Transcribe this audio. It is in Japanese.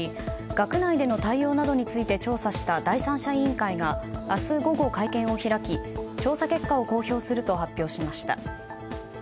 学内での対応などについて調査した第三者委員会が明日午後、会見を開き調査結果を公表すると発表しました。